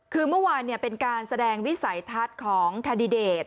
คือเมื่อวานเป็นการแสดงวิสัยทัศน์ของแคนดิเดต